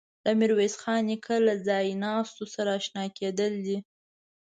له میرویس خان نیکه له ځایناستو سره آشنا کېدل دي.